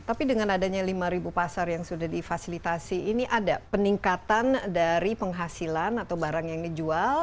tapi dengan adanya lima pasar yang sudah difasilitasi ini ada peningkatan dari penghasilan atau barang yang dijual